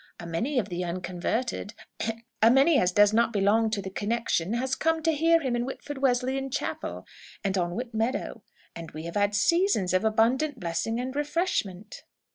A many of the unconverted ahem! a many as does not belong to the connexion has come to hear him in Whitford Wesleyan Chapel, and on Whit Meadow. And we have had seasons of abundant blessing and refreshment."